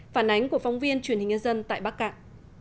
phản ánh của phóng viên truyền hình nhân dân tại bắc cạn